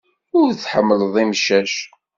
Ur tḥemmleḍ imcac.